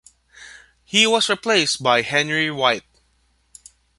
He was replaced by Henry White.